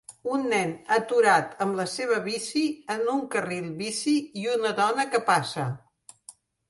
Un nen aturat amb la seva bici en un carril bici i una dona que passa.